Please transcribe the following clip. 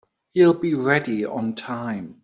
He'll be ready on time.